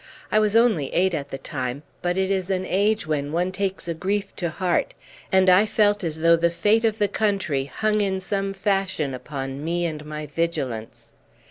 I was only eight at the time, but it is an age when one takes a grief to heart, and I felt as though the fate of the country hung in some fashion upon me and my vigilance.